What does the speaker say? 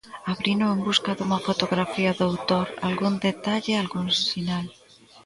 Abrino en busca dunha fotografía do autor, algún detalle, algún sinal.